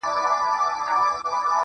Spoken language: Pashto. چي بیا زما د ژوند شکايت درنه وړي و تاته.